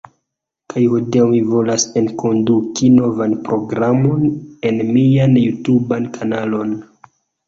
Kaj hodiaŭ mi volas enkonduki novan programon en mian jutuban kanalon